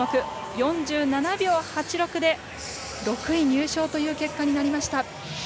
４７秒８６で６位入賞という結果になりました。